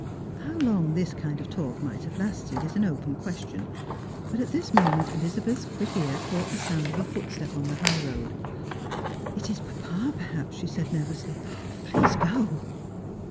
How long this kind of talk might have lasted is an open ques tion, but at this moment Elizabeth's quick ear caught the sound of a footstep on the high road. " It is papa, perhaps," she said nervously. " O, please go."